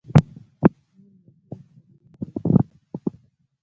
نور ملکونه سپوږمۍ ته وختل.